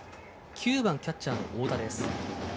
９番・キャッチャーの太田です。